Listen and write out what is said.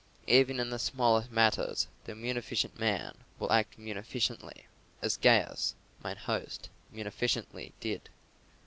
Even in the smallest matters the munificent man will act munificently!" As Gaius, mine host, munificently did.